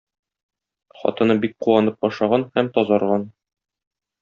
Хатыны бик куанып ашаган һәм тазарган.